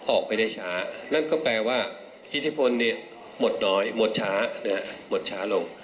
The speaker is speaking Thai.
ออกไปได้ช้านั่นก็แปลว่าอิทธิพลหมดน้อยหมดช้าหมดช้าลง